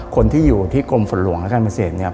คนที่อยู่ที่กรมฝนหลวงและการเกษตรเนี่ย